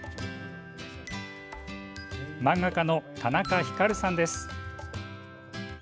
漫画家の田中光さんです。